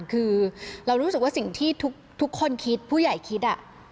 คือเรารู้สึกว่าสิ่งที่ทุกคนคิดผู้ใหญ่คิด